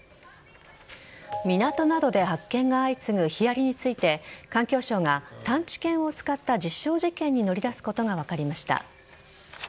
港などで発見が相次ぐヒアリについて環境省が探知犬を使った実証実験に乗り出すことが分かりました。